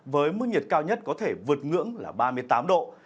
với mức nhiệt cao nhất có thể vượt ngưỡng là ba mươi tám độ